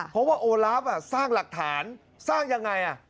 เพราะว่าโอลาฟสร้างหลักฐานสร้างยังไง